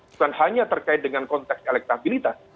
bukan hanya terkait dengan konteks elektabilitas